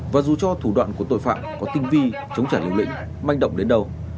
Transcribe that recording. và dù cho thủ đoạn của tội phạm có tinh vi chống trả liều lĩnh manh động đến đâu